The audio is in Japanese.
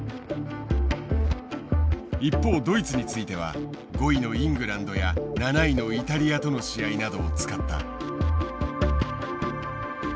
一方ドイツについては５位のイングランドや７位のイタリアとの試合などを使った。